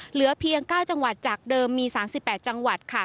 เหลือเพียง๙จังหวัดจากเดิมมี๓๘จังหวัด